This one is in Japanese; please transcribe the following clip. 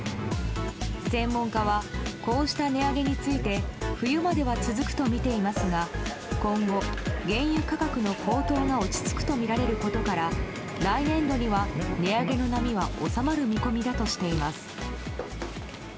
専門家はこうした値上げについて冬までは続くとみていますが今後、原油価格の高騰が落ち着くとみられることから来年度には値上げの波は収まる見込みだとしています。